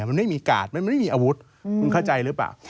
แล้วมันไม่มีใครอ่ะมันไม่มีกาดงั้นมันไม่มีอาวุธ